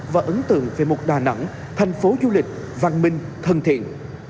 và ấn tượng về một đà nẵng thành phố du lịch văn minh thân thiện